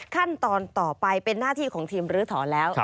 ขั้นตอนต่อไปเป็นหน้าที่ของทีมลื้อถอนแล้ว